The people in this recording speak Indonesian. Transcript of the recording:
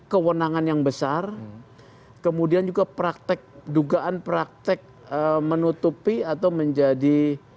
kewenangan yang besar kemudian juga praktek dugaan praktek menutupi atau menjadi